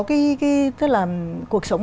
cái cuộc sống